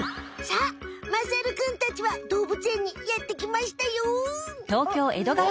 さあまさるくんたちは動物園にやってきましたよ。